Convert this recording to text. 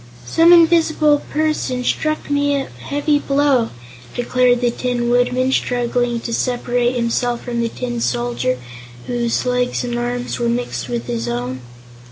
"Some invisible person struck me a heavy blow," declared the Tin Woodman, struggling to separate himself from the Tin Soldier, whose legs and arms were mixed with his own.